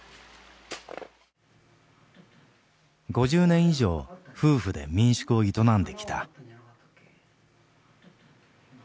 ５０年以上夫婦で民宿を営んできた。